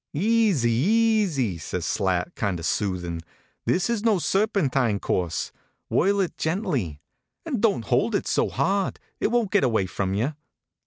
" Easy, easy," says Slat, kind of soothin . This is no serpentine course. Whirl it gently. And don t hold it so hard ; it won t get away from you.